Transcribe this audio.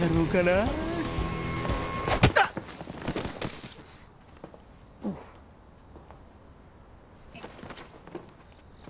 あっ！